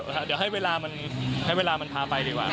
แต่ว่าให้เวลามันพาไปดีกว่า